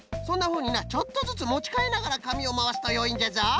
そんなふうになちょっとずつもちかえながらかみをまわすとよいんじゃぞ。